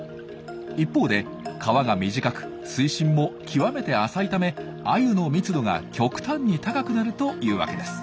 一方で川が短く水深も極めて浅いためアユの密度が極端に高くなるというわけです。